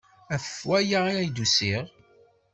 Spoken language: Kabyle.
Ɣef waya ay d-usiɣ.